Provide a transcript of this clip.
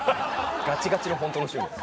ガチガチのホントの趣味です。